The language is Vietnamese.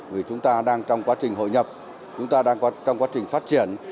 vì chúng ta đang trong quá trình hội nhập chúng ta đang có trong quá trình phát triển